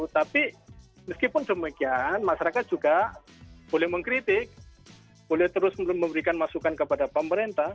tapi meskipun demikian masyarakat juga boleh mengkritik boleh terus memberikan masukan kepada pemerintah